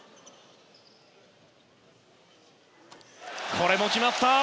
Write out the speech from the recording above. これも決まった！